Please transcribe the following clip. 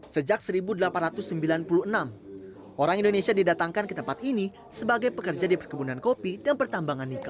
sejak seribu delapan ratus sembilan puluh enam orang indonesia didatangkan ke tempat ini sebagai pekerja di perkebunan kopi dan pertambangan nikel